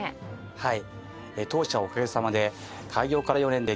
はい。